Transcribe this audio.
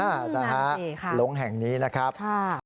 นั่นแสดงค่ะใช่ค่ะลงแห่งนี้นะครับ